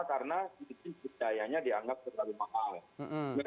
karena biayanya dianggap terlalu mahal